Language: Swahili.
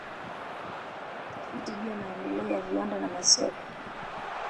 Ni mtu anayefanya tafiti juu ya maendeleo ya viwanda na masoko